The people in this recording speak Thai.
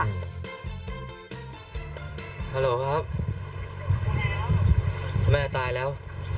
ฮัลโหลครับคุณแม่ตายแล้ว